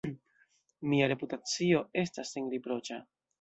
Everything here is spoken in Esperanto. Mia reputacio estas senriproĉa!